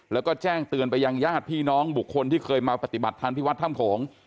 แล้วก็แจ้งเตือนไปยังญาติพี่น้องบุคคลที่เคยมาปฏิบัติธรรมที่วัดถ้ำโขง